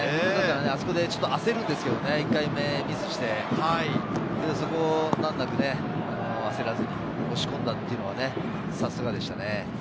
あそこでちょっと焦るんですけれどね、２回目をミスして、でもそこを難なく焦らずに押し込んだというのは、さすがでしたね。